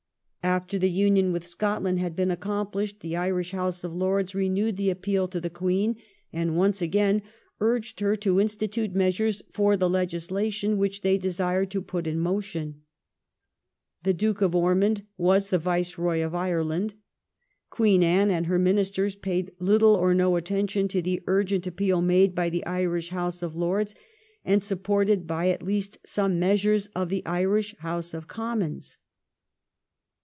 After the VOL. II. I* 210 THE REIGN OF QUEEN ANNE. ch. xxx. Union with Scotland had been accomplished, the Irish House of Lords renewed the appeal to the Queen, and once again urged her to institute measures for the legislation which they desired to put in motion. The Duke of Ormond was the Viceroy of Ireland. Queen Anne and her Ministers paid little or no attention to the urgent appeal made by the Irish House of Lords and supported by at least some members of the Irish House of Commons.